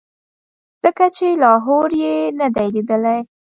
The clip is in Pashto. ځکه چې لاهور یې نه دی لیدلی.